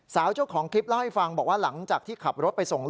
สาวเจ้าของคลิปเล่าให้ฟังบอกว่าหลังจากที่ขับรถไปส่งลูกที่โรงเรียนเสร็จ